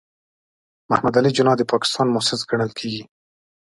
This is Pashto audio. محمد علي جناح د پاکستان مؤسس ګڼل کېږي.